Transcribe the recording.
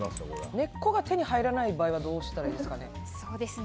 根っこが手に入らない場合どうしたらいいですかね？